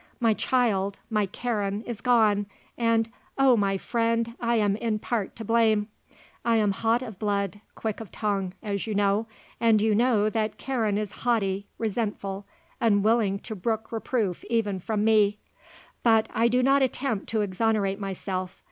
My child, my Karen, is gone and, oh my friend, I am in part to blame. I am hot of blood, quick of tongue, as you know, and you know that Karen is haughty, resentful, unwilling to brook reproof even from me. But I do not attempt to exonerate myself.